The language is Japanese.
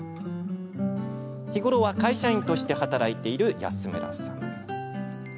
日頃は会社員として働いている安村さん。